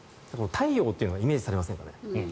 太陽というのがイメージされませんか？